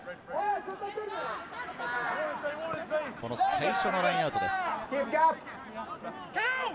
最初のラインアウトです。